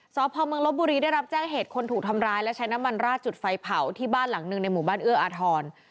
สพเมืองลบบุรีได้รับแจ้งเหตุคนถูกทำร้ายและใช้น้ำมันราดจุดไฟเผาที่บ้านหลังหนึ่งในหมู่บ้านเอื้ออาทร